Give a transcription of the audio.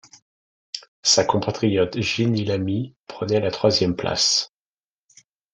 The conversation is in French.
Sa compatriote Jenny Lamy prenait la troisième place.